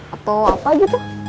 atau apa gitu